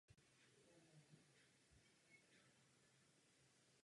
Prostřednictvím svých skladeb se pokoušel šířit i své politické myšlenky a ideály.